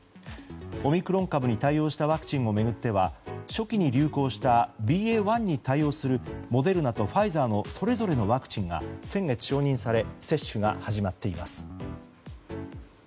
オミクロン株に対応したワクチンを巡っては初期に流行したＢＡ．１に対応するモデルナとファイザーのそれぞれのワクチンが先月承認され接種が始まっています。